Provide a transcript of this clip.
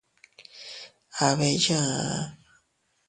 Aa bee yaa.